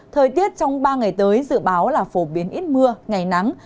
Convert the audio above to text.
thời tiết trong ba ngày tới dự báo là phổ biến ít mưa ngày nắng